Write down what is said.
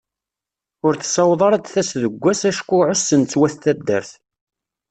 Ur tessaweḍ ara ad d-tass deg wass acku ɛussen-tt wat taddart.